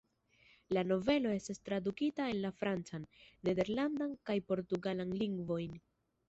La novelo estas tradukita en la francan, nederlandan kaj portugalan lingvojn.